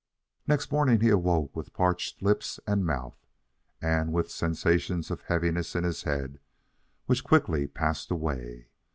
Next morning he awoke with parched lips and mouth, and with sensations of heaviness in his head which quickly passed away.